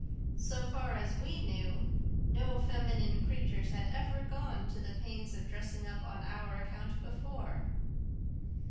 So far as we knew, no feminine creatures had ever gone to the pains of dressing up on our account before.